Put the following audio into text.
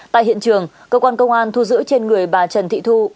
tại hiện trường cơ quan công an thu giữ trên người bà trần thị thu